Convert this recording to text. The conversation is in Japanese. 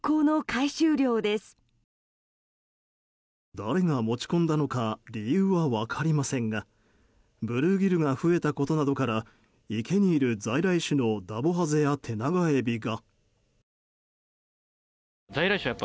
誰が持ち込んだのか理由は分かりませんがブルーギルが増えたことなどから池にいる在来種のダボハゼやテナガエビが。